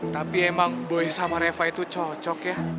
tapi emang buat gue sama reva itu cocok yah